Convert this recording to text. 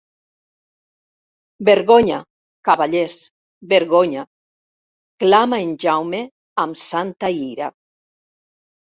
«Vergonya, cavallers, vergonya!», clama en Jaume amb santa ira.